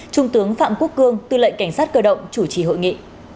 trung tướng phạm quốc cương tư lệnh cảnh sát cơ động chủ trì hội nghị